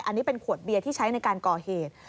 อันนี้เป็นขวดเบียร์ที่ใช้ในการก่อเหตุ